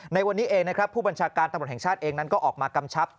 ในวันนี้เองนะครับผู้บัญชาการตำรวจแห่งชาติเองนั้นก็ออกมากำชับ